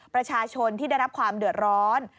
ประชาชนที่ได้รับความเดือดร้อน